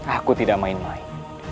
aku tidak main main